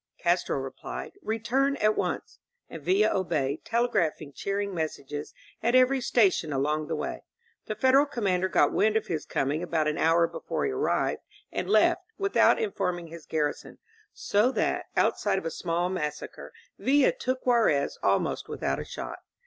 Castro replied: "Return at once." And Villa obeyed, telegraphing cheering messages at every station along the way. The Federal commander got wind of his coining about an hour before he arrived, and left, with out informing his garrison, so that, outside of a small massacre. Villa took Juarez almost without a shot.